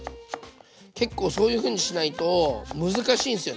結構そういうふうにしないと難しいんすよね。